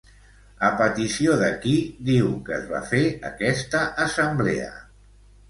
A petició de qui diu que es va fer aquesta assemblea?